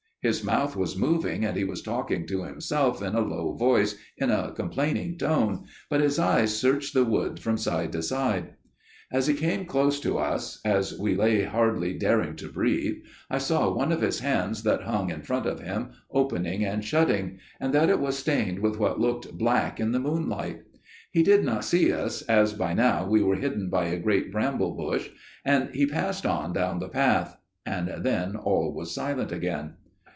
His mouth was moving, and he was talking to himself in a low voice in a complaining tone, but his eyes searched the wood from side to side. "As he came quite close to us, as we lay hardly daring to breathe, I saw one of his hands that hung in front of him, opening and shutting; and that it was stained with what looked black in the moonlight. He did not see us, as by now we were hidden by a great bramble bush, and he passed on down the path; and then all was silent again.